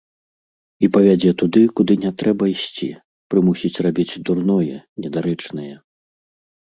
І павядзе туды, куды не трэба ісці, прымусіць рабіць дурное, недарэчнае.